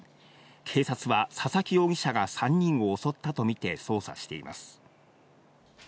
警察は、佐々木容疑者が３人を襲ったと見て捜査しています。